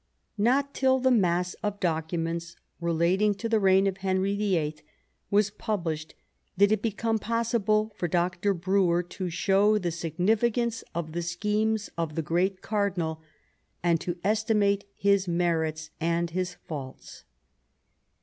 Not till the mass of documents relating to the reign of Henry VIII. was published did it become pos sible for Dr. Brewer to show the significance of the schemes of the great cardinal, and to estimate his merits and his faults.